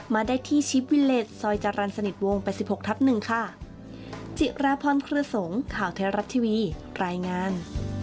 มาได้ที่ชิปวิเลสซอยจารัญสนิทวงไปสิบหกทับหนึ่งค่ะจิระพรเครือสงฆ์ข่าวเทราะรัฐทีวีรายงาน